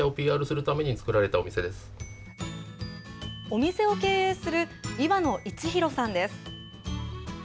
お店を経営する岩野一弘さんです。